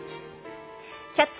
「キャッチ！